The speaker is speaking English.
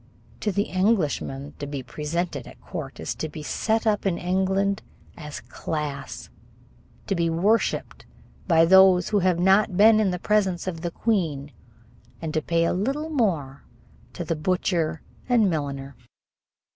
To the Englishman, to be presented at court is to be set up in England as class, to be worshiped by those who have not been in the presence of the queen, and to pay a little more to the butcher and milliner.